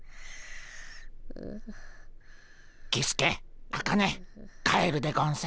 キスケアカネ帰るでゴンス。